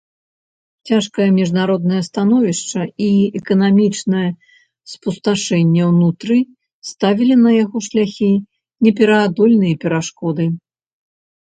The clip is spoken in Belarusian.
Цяжкае міжнароднае становішча і эканамічнае спусташэнне ўнутры ставілі на яго шляхі непераадольныя перашкоды.